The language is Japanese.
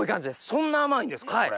そんな甘いんですかこれ。